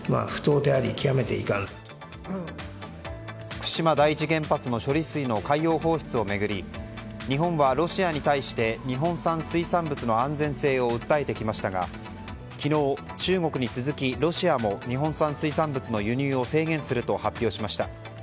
福島第一原発の処理水の海洋放出を巡り日本はロシアに対して日本産水産物の安全性を訴えてきましたが昨日、中国に続きロシアも日本産水産物の輸入を制限すると発表しました。